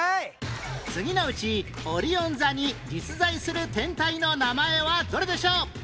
次のうちオリオン座に実在する天体の名前はどれでしょう？